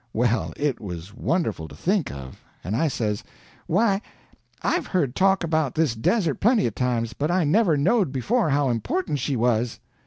Well, it was wonderful to think of, and I says: "Why, I've heard talk about this Desert plenty of times, but I never knowed before how important she was."